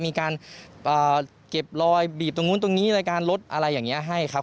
มีการเก็บรอยบีบตรงนู้นตรงนี้รายการรถอะไรอย่างนี้ให้ครับ